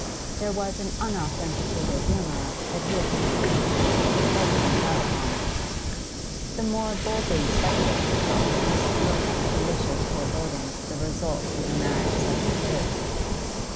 There was an unauthenticated rumour that he had been seen of late, lurking about Wanley. The more boldly speculative gossips looked with delicious foreboding to the results of a marriage such as this.